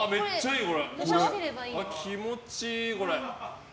気持ちいい、これ。